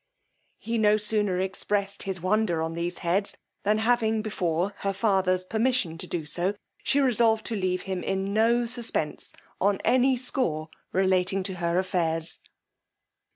He no sooner expressed his wonder on these heads, than, having before her father's permission to do so, she resolved to leave him in no suspence on any score relating to her affairs.